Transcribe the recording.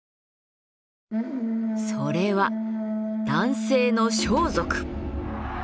それは男性の装束。